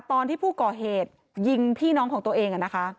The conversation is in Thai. ตอนที่ผู้ก่อเหตุยิงพี่น้องของตัวเอง